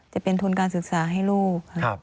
จะเป็นทุนการศึกษาให้ลูก